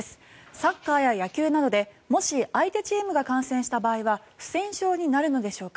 サッカーや野球などでもし相手チームが感染した場合は不戦勝になるのでしょうか。